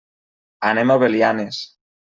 Anem a Belianes.